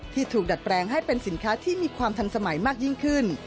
ถูกดัดแปลงให้เป็นสินค้าที่มีความทันสมัยมากยิ่งขึ้น